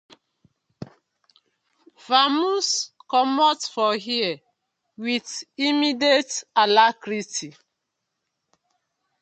Vamoose comot for here with immediate alarcrity.